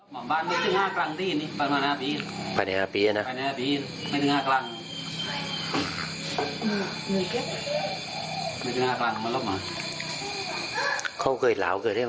ไม่ขึ้นแล้วลึกแล้วตอนเดี๋ยวเราไม่ชะวัดช่วยพ่อแล้วก็เวิร์น